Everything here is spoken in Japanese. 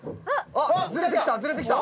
あずれてきたずれてきた！